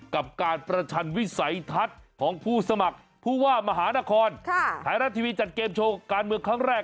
กับการประชันวิสัยทัศน์ของผู้สมัครผู้ว่ามหานครไทยรัฐทีวีจัดเกมโชว์การเมืองครั้งแรก